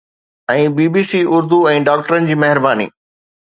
۽ B B C Urdu ۽ ڊاڪٽرن جي مهرباني